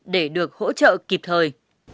để được hỗ trợ kịp thời